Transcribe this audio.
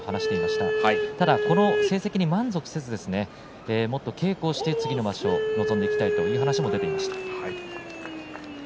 ただ、この成績に満足せずもっと稽古して次の場所に臨んでいきたいという話も出ていました。